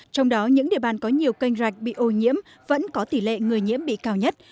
trong đó những địa bàn có nhiều kênh rạch bị ô nhiễm vẫn có tỷ lệ người nhiễm bị cao nhất